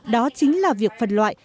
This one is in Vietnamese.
đó chính là việc phân loại